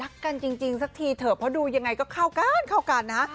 รักกันจริงสักทีเถอะเพราะดูยังไงก็เข้ากันนะ